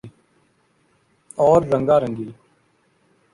اور رنگا رنگی